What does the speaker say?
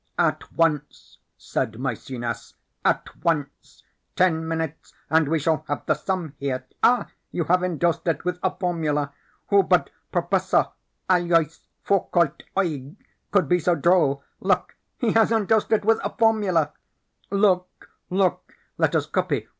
"At once," said Maecenas, "at once. Ten minutes and we shall have the sum here. Ah, you have endorsed it with a formula! Who but Professor Aloys Foulcault Oeg could be so droll? Look, he has endorsed it with a formula!" "Look, look! Let us copy!